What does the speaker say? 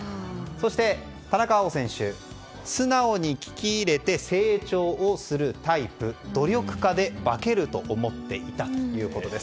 そして、田中碧選手は素直に聞き入れて成長をするタイプ努力家で、化けると思っていたということです。